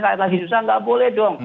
kayak lagi susah nggak boleh dong